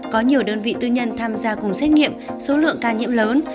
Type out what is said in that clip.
có nhiều đơn vị tư nhân tham gia cùng xét nghiệm số lượng ca nhiễm lớn